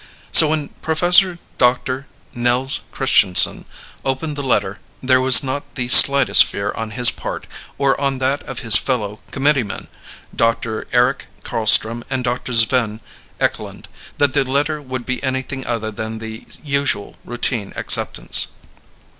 So when Professor Doctor Nels Christianson opened the letter, there was not the slightest fear on his part, or on that of his fellow committeemen, Dr. Eric Carlstrom and Dr. Sven Eklund, that the letter would be anything other than the usual routine acceptance.